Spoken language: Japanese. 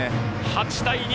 ８対２。